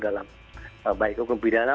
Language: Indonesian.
dalam baik hukum pidana